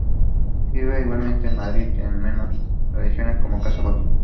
Se sirve igualmente en Madrid, en mesones tradicionales como Casa Botín.